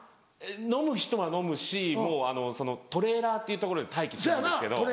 飲む人は飲むしもうトレーラーっていう所で待機するんですけど。